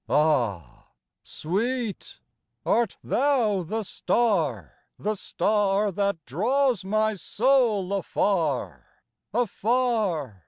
Ah, sweet, art thou the star, the starThat draws my soul afar, afar?